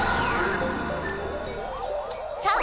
さあ！